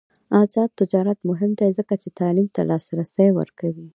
آزاد تجارت مهم دی ځکه چې تعلیم ته لاسرسی ورکوي.